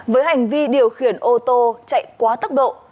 với hành vi điều khiển ô tô chạy quá tốc độ